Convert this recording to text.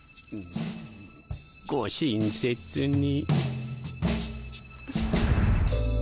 ご親切に。